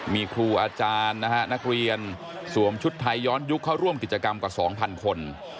มีครูอาจารย์นะฮะนักเรียนสวมชุดไทยย้อนยุคเข้าร่วมกิจกรรมกว่า๒๐๐คน